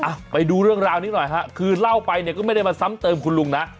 ไปดูเรื่องราวนี้หน่อยฮะคือเล่าไปเนี่ยก็ไม่ได้มาซ้ำเติมคุณลุงนะ